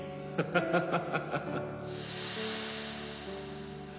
ハハハハ！